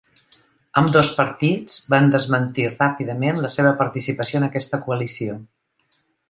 Ambdós partits van desmentir ràpidament la seva participació en aquesta coalició.